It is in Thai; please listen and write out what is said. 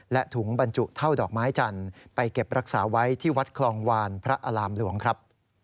และถุงบรรจุเท่าดอกไม้จันทร์ไปเก็บรักษาไว้ที่วัดคลองวานพระอารามหลวงครับ